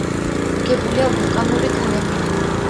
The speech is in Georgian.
აგებულია ვულკანური ქანებით.